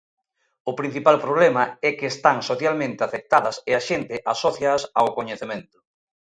O principal problema é que están socialmente aceptadas, e a xente asóciaas ao coñecemento.